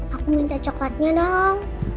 aku minta coklatnya dong